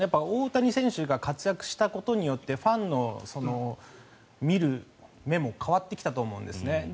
大谷選手が活躍したことによってファンの見る目も変わってきたと思うんですね。